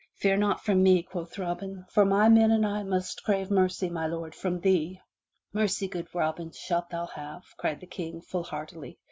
Fear naught Robin, " for my men and I must crave mercy, my lord, from thee." "Mercy, good Robin, shalt thou have," cried the King, full heartily.